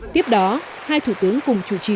tiếp đó hai thủ tướng cùng chủ trì